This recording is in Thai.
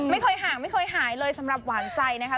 ไม่เคยห่างไม่เคยหายเลยสำหรับหวานใจนะคะ